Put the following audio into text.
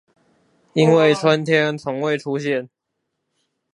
因為春天從未出現